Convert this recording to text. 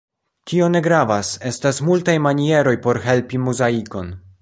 Tio ne gravas: estas multaj manieroj por helpi Muzaikon.